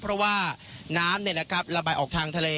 เพราะว่าน้ำเนี่ยนะครับระบายออกทางทะเล